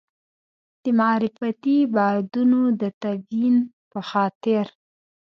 د معرفتي بعدونو د تبیین په خاطر.